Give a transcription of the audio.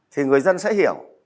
thì người dân sẽ hiểu